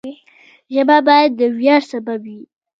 ژبه باید د ویاړ سبب وي.